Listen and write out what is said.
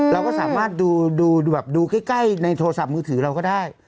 เราก็สามารถดูแบบดูใกล้ในโทรศัพท์มือถือเราก็ได้